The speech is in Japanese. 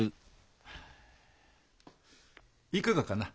いかがかな。